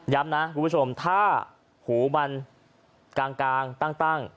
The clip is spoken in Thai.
นะคุณผู้ชมถ้าหูมันกลางตั้ง